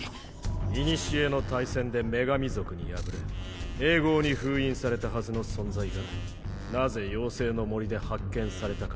古の大戦で女神族に敗れ永劫に封印されたはずの存在がなぜ妖精の森で発見されたか